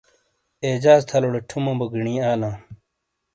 اعجاز تھلوٹے ٹھمو بو گینی آلاں۔